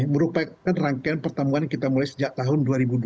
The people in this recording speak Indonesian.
merupakan rangkaian pertemuan kita mulai sejak tahun dua ribu dua puluh dua